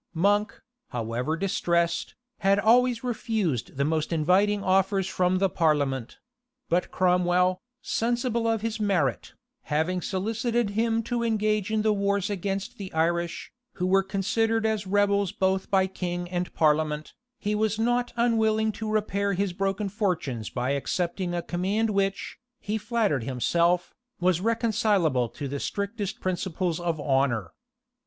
Monk, however distressed, had always refused the most inviting offers from the parliament: but Cromwell, sensible of his merit, having solicited him to engage in the wars against the Irish, who were considered as rebels both by king and parliament, he was not unwilling to repair his broken fortunes by accepting a command which, he flattered himself, was reconcilable to the strictest principles of honor.